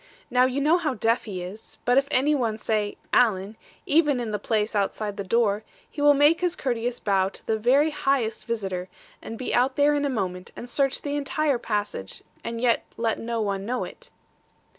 Now you know how deaf he is; but if any one say, "Alan," even in the place outside the door, he will make his courteous bow to the very highest visitor, and be out there in a moment, and search the entire passage, and yet let no one know it.'